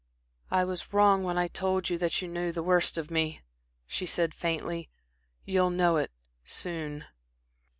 "I was wrong when I told you that you know the worst of me," she said, faintly. "You'll know it, soon."